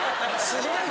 すごい。